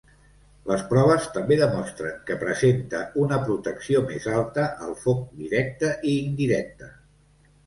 Les proves també demostren que presenta una protecció més alta al foc directe i indirecte.